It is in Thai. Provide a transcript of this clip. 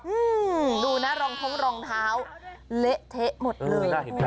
อืมดูนะรองท้องรองเท้าเละเทะหมดเลย